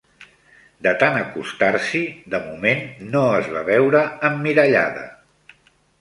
De tan acostar-s'hi de moment no es va veure emmirallada